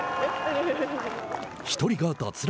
１人が脱落。